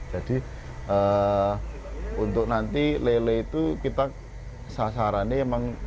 jadi untuk nanti lele itu kita sasarannya memang